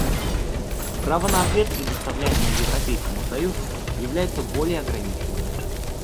Право на ответ, предоставляемое Европейскому союзу, является более ограниченным.